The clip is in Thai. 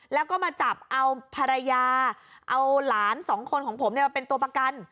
แล้วก็มาจับเอาภรรยาเอาหลานสองคนของผมเนี่ยมาเป็นตัวประกัน